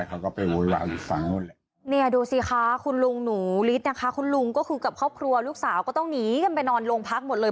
คุณลุงหนูฤทธิ์นะคะคุณลุงก็คือกับครอบครัวลูกสาวก็ต้องหนีกันไปนอนลงพักหมดเลย